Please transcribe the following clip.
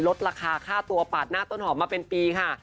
ลดราคาค่าตัวปาดหน้าต้นหอมมาเป็นปีค่ะ